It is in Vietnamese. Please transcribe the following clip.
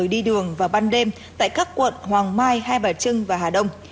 đi đường vào ban đêm tại các quận hoàng mai hai bà trưng và hà đông